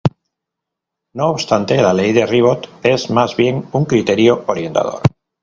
No obstante, la ley de Ribot es más bien un criterio orientador.